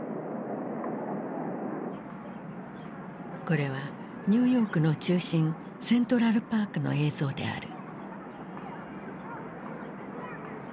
これはニューヨークの中心セントラル・パークの映像である。